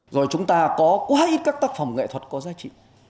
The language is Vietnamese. rồi chúng ta có quá ít các tác phẩm nghệ thuật có giá trị